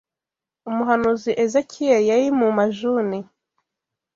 Umuhanuzi Ezekiyeli yari mu majune